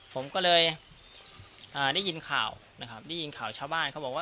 ผมก็เลยได้ยินข่าวนะครับได้ยินข่าวชาวบ้านเขาบอกว่า